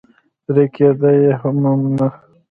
ترې کېده یې هم نه.